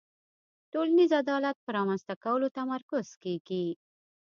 ټولنیز عدالت په رامنځته کولو تمرکز کیږي.